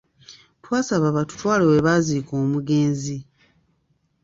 Twabasaba batutwale we baaziika omugenzi.